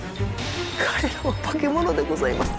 彼らは化け物でございます。